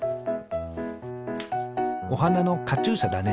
おはなのカチューシャだね。